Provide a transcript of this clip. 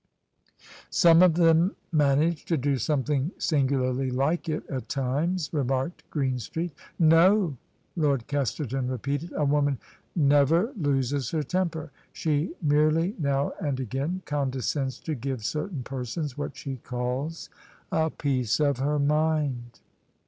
" Some of them manage to do something singularly like it at times," remarked Greenstreet, " No," Lord Kesterton repeated, " a woman never loses her temper: she merely now and again condescends to give certain persons what she calls a piece of her mind."